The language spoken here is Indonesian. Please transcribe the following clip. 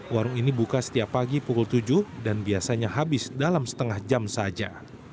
warung ini buka setiap pagi pukul tujuh dan biasanya habis dalam setengah jam saja